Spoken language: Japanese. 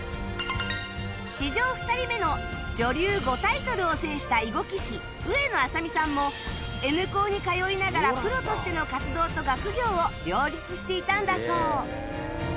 史上２人目の女流５タイトルを制した囲碁棋士上野愛咲美さんも Ｎ 高に通いながらプロとしての活動と学業を両立していたんだそう